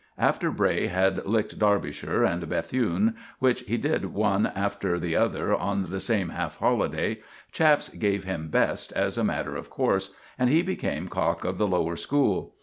After Bray had licked Derbyshire and Bethune, which he did one after the other on the same half holiday, chaps gave him "best," as a matter of course, and he became cock of the lower school.